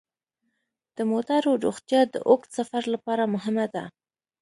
د موټرو روغتیا د اوږد سفر لپاره مهمه ده.